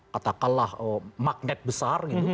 katakanlah magnet besar gitu